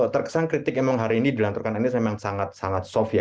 terkesan kritik emang hari ini dilanturkan anies memang sangat sangat soft ya